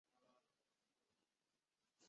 申恬起初任骠骑将军刘道邻的长兼行参军。